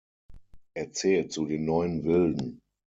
Er zählt zu den Neuen Wilden.